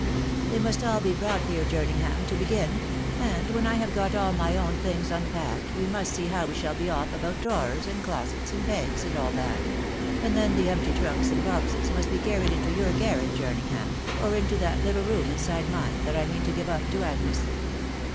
"They must all.be brought in. here, Jerningham, to begin? and when I have got all. my own things unpacked, we jnust see how we shall be. off about drawers, and closets, and pegs, and all that; and then the empty trunks and boxes must be carried into your garret,. Jerningbam, or into that little room inside mine, that I mean, to give up to Agnes."